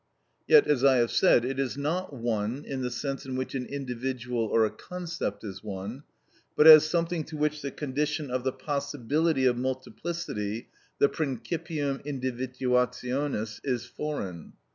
Yet, as I have said, it is not one in the sense in which an individual or a concept is one, but as something to which the condition of the possibility of multiplicity, the principium individuationis, is foreign.